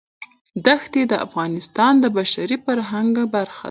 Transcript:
دښتې د افغانستان د بشري فرهنګ برخه ده.